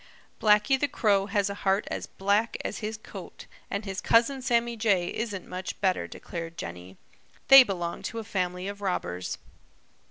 "Blacky the Crow has a heart as black as his coat, and his cousin Sammy Jay isn't much better," declared Jenny. "They belong to a family of robbers."